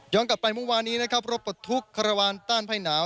ย้อนกลับไปเมื่อวานนี้นะครับรถปลดฮุกคาระวานต้านภายหนาว